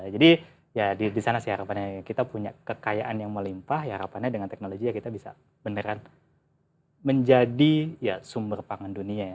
jadi ya di sana sih harapannya kita punya kekayaan yang melimpah ya harapannya dengan teknologi ya kita bisa beneran menjadi ya sumber pangan dunia ya